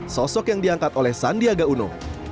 sosok yang diangkat oleh sandiaga uno